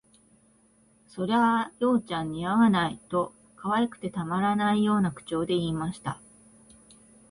「それあ、葉ちゃん、似合わない」と、可愛くてたまらないような口調で言いました